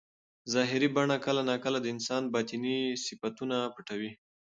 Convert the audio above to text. ظاهري بڼه کله ناکله د انسان باطني صفتونه پټوي.